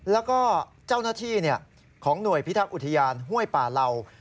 แล้วก็เจ้าหน้าที่ของหน่วยพิทักษ์อุทยานห้วยป่าเหล่า